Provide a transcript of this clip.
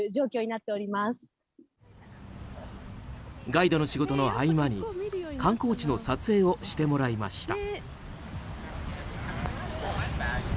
ガイドの仕事の合間に観光地の撮影をしてもらいました。